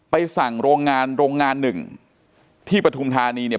ไปสั่งโรงงานโรงงานหนึ่งที่ปฐุมธานีเนี่ย